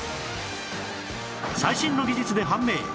最新の技術で判明！